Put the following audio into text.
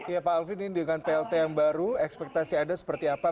ya pak alvin ini dengan plt yang baru ekspektasi anda seperti apa